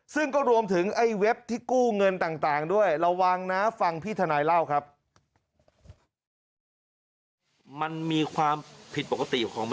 ซึ่งก็รวมถึงไอ้เว็บที่กู้เงินต่างด้วยระวังนะฟังพี่ทนายเล่าครับ